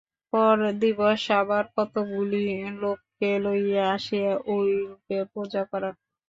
পরদিবস আবার কতকগুলি লোককে লইয়া আসিয়া ঐরূপে পূজা করা।